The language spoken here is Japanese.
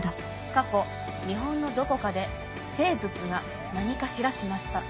過去日本のどこかで生物が何かしらしました。